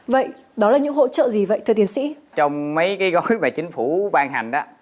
vậy đó là những hỗ trợ gì vậy thưa tiến sĩ trong mấy cái gói mà chính phủ ban hành đó